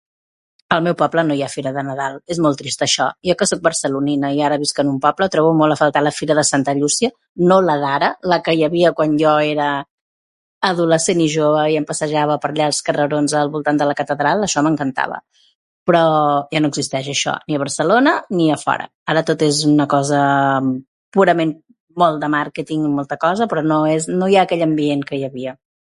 Al meu poble no hi ha fira de Nadal. És molt trist això. Jo que soc barcelonina, i ara visc en un poble trobo molt a faltar la fira de Santa Llúcia, no la d'ara, la que hi havia quan jo era... adolescent i jove, i em passejava per allà els carrerons al voltant de la catedral, això m'encantava, però... ja no existeix això, ni a Barcelona, ni a fora. Ara tot és una cosa... purament molt de màrqueting, i molta cosa, però no és... no hi ha aquell ambient que hi havia.